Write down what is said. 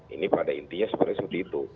ini pada intinya sebenarnya seperti itu